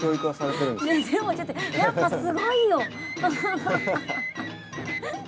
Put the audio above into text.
やっぱすごいよ。